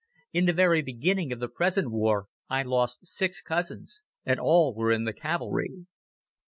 In the very beginning of the present war I lost six cousins, and all were in the cavalry.